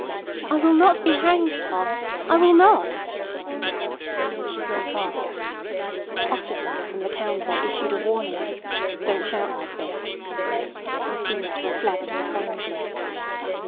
"I will not be hanged, Tom. I will not—" She broke off. Ossipon from the counter issued a warning: "Don't shout like this," then seemed to reflect profoundly.